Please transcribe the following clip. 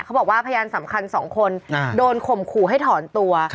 เขาบอกว่าพยานสำคัญ๒คนโดนข่มขู่ให้ถอนตัว